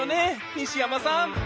西山さん？